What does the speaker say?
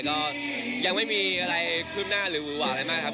ก็ยังไม่มีอะไรขึ้นหน้าหรือว่าอะไรมากครับ